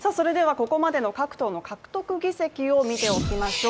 ここまでの各党の獲得議席を見ておきましょう。